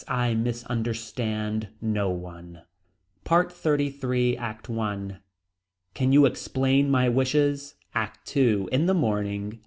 I misunderstand no one. PART XXXIII. ACT I. Can you explain my wishes. ACT II. In the morning.